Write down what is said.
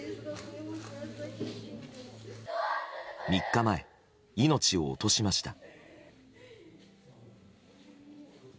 ３日前、命を落としました。